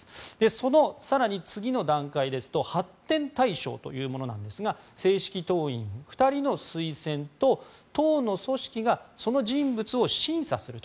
その更に次の段階ですと発展対象というものですが正式党員２人の推薦と党の組織がその人物を審査すると。